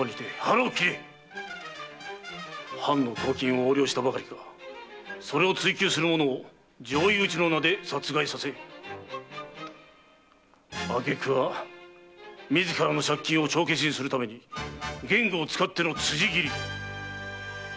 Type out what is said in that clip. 藩の公金を横領したばかりかそれを追求する者を上意討ちの名で殺害させ挙げ句は自らの借金を帳消しにするために源吾を使っての辻斬り下級武士の弱みにつけ込んだ